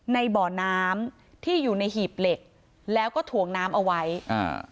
ในบ่อน้ำที่อยู่ในหีบเหล็กแล้วก็ถ่วงน้ำเอาไว้อ่า